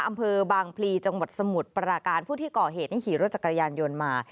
อำเภอบางพลีจังหวัดสมุทรปราการผู้ที่ก่อเหตุนี่ขี่รถจักรยานยนต์มา